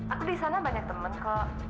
aku disana banyak temen kok